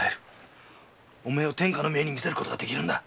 おめえを天下の名医に診せることができるんだ。